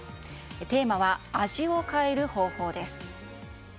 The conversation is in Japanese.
テーマは味を変える方法です。